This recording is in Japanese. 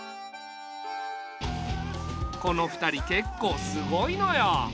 この２人けっこうすごいのよ。